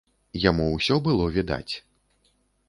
Яму ўсё было відаць.